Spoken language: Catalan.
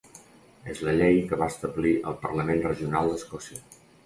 És la llei que va establir el Parlament regional d'Escòcia.